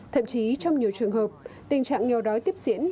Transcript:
thậm chí trong nhiều trường hợp tình trạng nghèo đói tiếp diễn